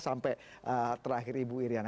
sampai terakhir ibu iryana